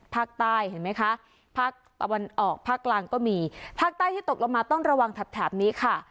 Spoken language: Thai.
ภาคใต้เห็นไหมคะภาคตะวันออกภาคกลางก็มีภาคใต้ที่ตกลงมาต้องระวังแถบนี้ค่ะ